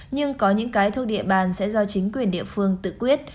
nhưng có những cái thuộc địa bàn sẽ do chính quyền địa phương tự quyết